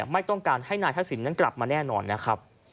ไม่ต้องการให้นายทักษิณนั้นกลับมาแน่นอนนะครับ